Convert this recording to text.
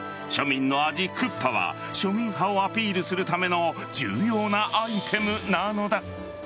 庶民の味、クッパは庶民派をアピールするための重要なアイテムなのだ。